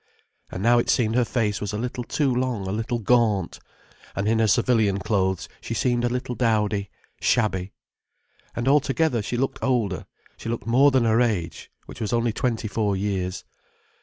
And now it seemed her face was a little too long, a little gaunt. And in her civilian clothes she seemed a little dowdy, shabby. And altogether, she looked older: she looked more than her age, which was only twenty four years.